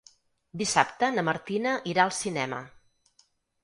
Dissabte na Martina irà al cinema.